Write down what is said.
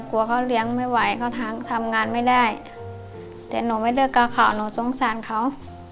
กลัวเขาเลี้ยงไม่ไหวเขาทั้งทำงานไม่ได้แต่หนูไม่เลือกกาขาวหนูสงสารเขา